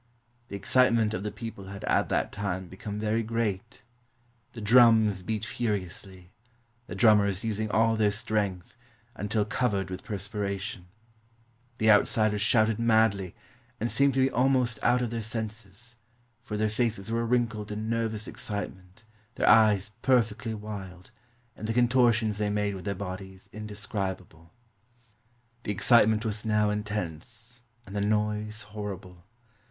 The excitement of the people had at that time become very great; the drums beat furiously, the drummers using all their strength, until covered with perspiration; the outsiders shouted madly, and seemed to be almost out of their senses, for their faces were wrinkled in nervous excitement, their eyes perfectly wild, and the contortions they made with their bodies indescribable. The excitement was now intense, and the noise hor rible.